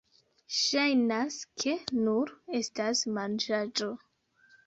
Ŝajnas, ke nur estas manĝaĵo